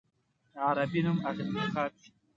عربي نوم انتخاب شي.